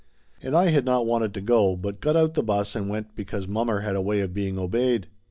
And I had not wanted to go, but got out the bus and went because mommer had a way of being obeyed.